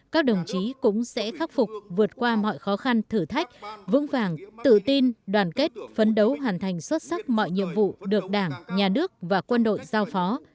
các đồng chí cũng sẽ khắc phục vượt qua mọi khó khăn thử thách vững vàng tự tin đoàn kết phấn đấu hoàn thành xuất sắc mọi nhiệm vụ được đảng nhà nước và quân đội giao phó